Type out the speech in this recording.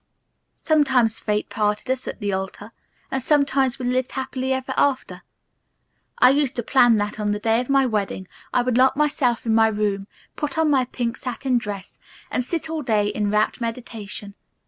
Sometimes fate parted us at the altar and sometimes we lived happily ever afterward. I used to plan that on the day of my wedding I would lock myself in my room, put on my pink satin dress and sit all day in rapt meditation.